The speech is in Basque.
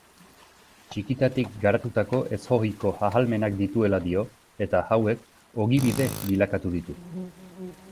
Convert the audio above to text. Txikitatik garatutako ezohiko ahalmenak dituela dio, eta hauek ogibide bilakatu ditu.